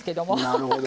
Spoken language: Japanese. なるほど。